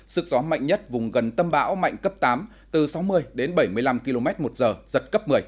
sức gió mạnh nhất vùng gần tâm bão mạnh cấp tám từ sáu mươi đến bảy mươi năm km một giờ giật cấp một mươi